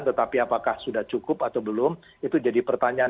tetapi apakah sudah cukup atau belum itu jadi pertanyaan